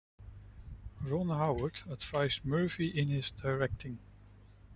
Ron Howard advised Murphy in his directing.